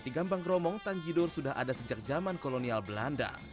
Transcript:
di gambang kromong tanjidor sudah ada sejak zaman kolonial belanda